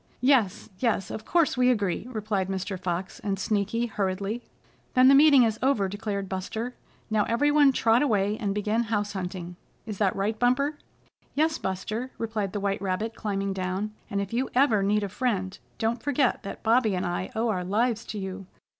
"Yes, yes, of course, we agree," replied Mr. Fox and Sneaky hurriedly. "Then the meeting is over," declared Buster. "Now every one trot away, and begin house hunting. Is that right, Bumper?" "Yes, Buster," replied the white rabbit, climbing down. "And if you ever need a friend, don't forget that Bobby and I owe our lives to you.